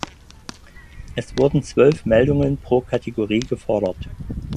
Es wurden zwölf Meldungen pro Kategorie gefordert.